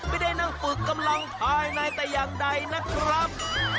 ไม่ได้นั่งฝึกกำลังภายในแต่อย่างใดนะครับ